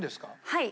はい。